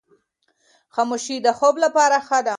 خاموشي د خوب لپاره ښه ده.